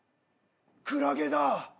クラゲだ。